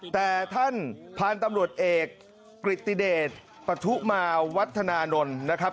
แต่ท่านพันธุ์ตำรวจเอกกฤติเดชปทุมาวัฒนานนท์นะครับ